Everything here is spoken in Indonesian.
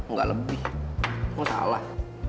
enggak lebih enggak salah